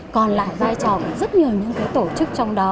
còn lại vai trò của rất nhiều những tổ chức trong đó